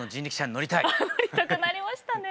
乗りたくなりましたね。